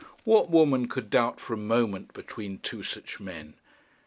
What woman could doubt for a moment between two such men?